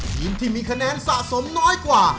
ทีมที่มีคะแนนสะสมน้อยกว่า